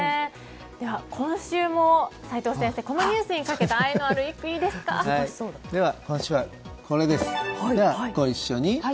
では、今週も齋藤先生このニュースにかけたでは、今週はこれです。ご一緒に。